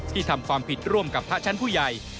ทำความผิดร่วมกับพระชั้นผู้ใหญ่